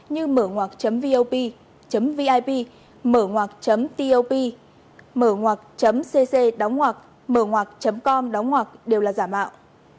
như mởngoạc vn mởngoạc vip mởngoạc top mởngoạc cc mởngoạc com đều là giả mạo